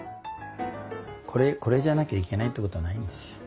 これじゃなきゃいけないっていうことはないんですよ。